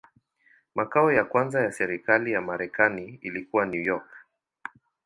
Makao ya kwanza ya serikali ya Marekani ilikuwa New York.